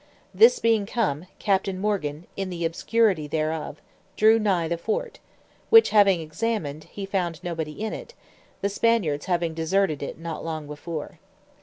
This being come, Captain Morgan, in the obscurity thereof, drew nigh the fort, which having examined, he found nobody in it, the Spaniards having deserted it not long before.